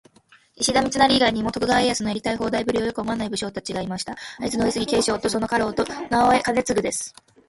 石田三成以外にも、徳川家康のやりたい放題ぶりをよく思わない武将達がいました。会津の「上杉景勝」とその家老「直江兼続」です。